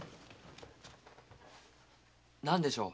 何でしょう。